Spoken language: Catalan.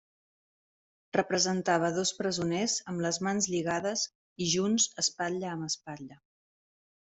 Representava dos presoners amb les mans lligades i junts espatlla amb espatlla.